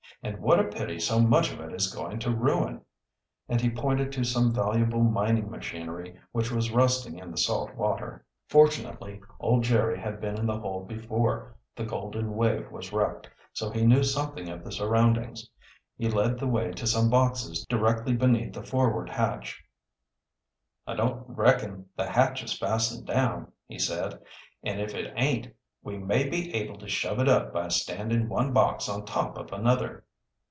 "And what a pity so much of it is going to ruin," and he pointed to some valuable mining machinery which was rusting in the salt water. Fortunately old Jerry had been in the hold before the Golden Wave was wrecked, so he knew something of the surroundings. He led the way to some boxes directly beneath the forward hatch. "I don't reckon the hatch is fastened down," he said. "An' if it aint we may be able to shove it up by standing one box on top of another."